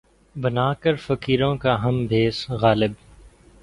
بنا کر فقیروں کا ہم بھیس، غالبؔ!